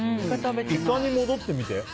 イカに戻ってみて。